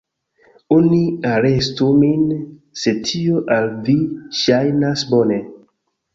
Oni arestu min se tio al vi ŝajnas bone.